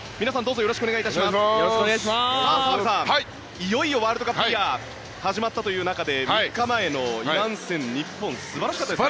いよいよワールドカップイヤーが始まったという中で３日前のイラン戦日本、素晴らしかったですね。